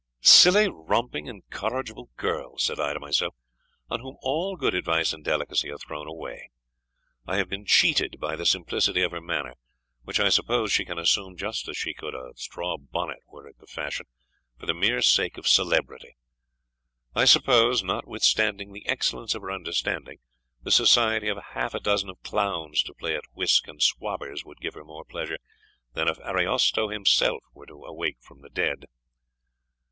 "Silly, romping, incorrigible girl!" said I to myself, "on whom all good advice and delicacy are thrown away! I have been cheated by the simplicity of her manner, which I suppose she can assume just as she could a straw bonnet, were it the fashion, for the mere sake of celebrity. I suppose, notwithstanding the excellence of her understanding, the society of half a dozen of clowns to play at whisk and swabbers would give her more pleasure than if Ariosto himself were to awake from the dead."